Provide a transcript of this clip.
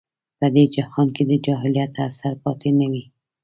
په دې جهان کې د جاهلیت اثر پاتې نه وي.